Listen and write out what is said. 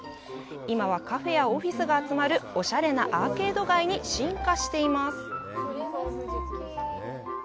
今はカフェやオフィスが集まるおしゃれなアーケード街に進化しています。